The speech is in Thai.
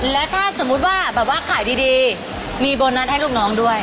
และถ้าสมมุติว่าแบบว่าขายดีมีโบนัสให้ลูกน้องด้วย